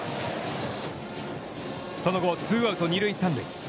その後、ツーアウト、二塁三塁。